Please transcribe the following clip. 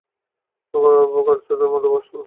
বোকারচোদার মতো প্রশ্ন!